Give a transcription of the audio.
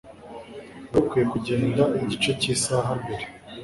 wari ukwiye kugenda igice cyisaha mbere